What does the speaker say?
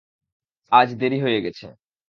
আজ দেরি হয়ে গেছে।